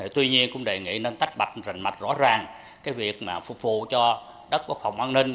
tuy nhiên cũng đề nghị nên tách bạchnh mạch rõ ràng cái việc mà phục vụ cho đất quốc phòng an ninh